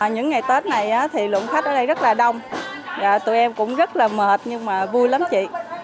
những ngày tết này thì lượng khách ở đây rất là đông tụi em cũng rất là mệt nhưng mà vui lắm chị